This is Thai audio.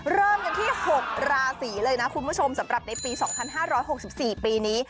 เริ่มกันที่๖ราศีเลยนะคุณผู้ชมสำหรับในปี๒๕๖๔ปีนี้